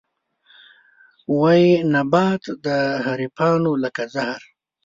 وي نبات د حريفانو لکه زهر